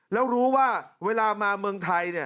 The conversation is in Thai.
แล้วรู้ว่าเวลามาเมืองไทย